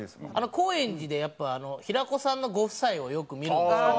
高円寺でやっぱあの平子さんのご夫妻をよく見るんですけど。